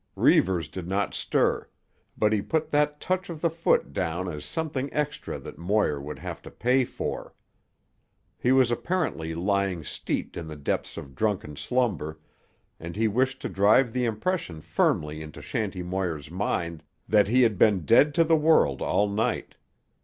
Reivers did not stir, but he put that touch of the foot down as something extra that Moir would have to pay for. He was apparently lying steeped in the depths of drunken slumber, and he wished to drive the impression firmly into Shanty Moir's mind that he had been dead to the world all night.